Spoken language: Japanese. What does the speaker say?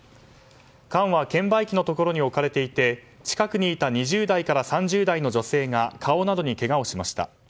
缶は券売機のところに置かれていて近くにいた２０代から３０代の女性が顔などにけがをしました。